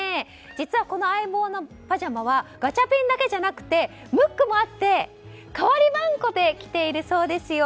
実は、相棒のパジャマはガチャピンだけじゃなくてムックもあって代わりばんこで着ているそうですよ。